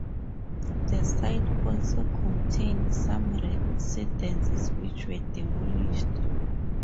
The site also contained some residences which were demolished.